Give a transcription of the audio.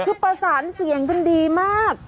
คือประสานเสียงกันดีมาก